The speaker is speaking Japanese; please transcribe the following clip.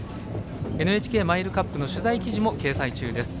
ＮＨＫマイルカップの取材記事も掲載中です。